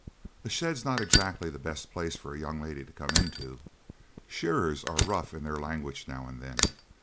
A shed's not exactly the best place for a young lady to come into. Shearers are rough in their language now and then.